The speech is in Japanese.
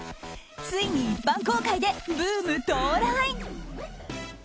ついに一般公開でブーム到来。